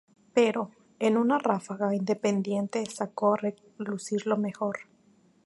Pero, en una ráfaga, Independiente sacó a relucir lo mejor.